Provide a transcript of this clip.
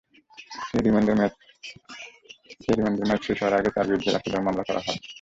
সেই রিমান্ডের মেয়াদ শেষ হওয়ার আগেই তাঁর বিরুদ্ধে রাষ্ট্রদ্রোহ মামলা করা হয়।